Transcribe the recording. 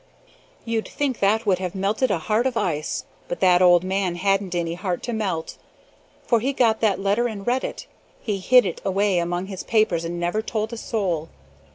"You'd think that would have melted a heart of ice, but that old man hadn't any heart to melt, for he got that letter and read it. He hid it away among his papers and never told a soul.